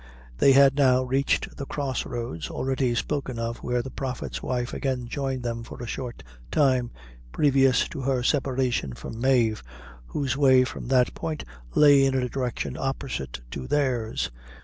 They had now reached the cross roads already spoken of, where the prophet's wife again joined them for a short time, previous to her separation from Mave, whose way from that point lay in a direction opposite to theirs.